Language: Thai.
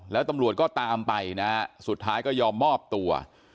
แล้วตำรวจก็ตามไปนะฮะสุดท้ายก็ยอมมอบตัว